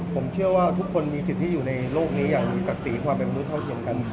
ผมเชื่อว่าทุกคนมีสิทธิ์ที่อยู่ในโลกนี้อย่างมีศักดิ์ศรีความเป็นมนุษย์เท่าเทียมกัน